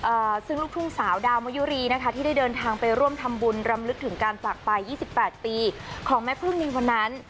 ซึ่งลูกทุ่งสาวดาวมะยุรีนะคะที่ได้เดินทางไปร่วมทำบุญรำลึกถึงการจากไปยี่สิบแปดปีของแม่พึ่งในวันนั้น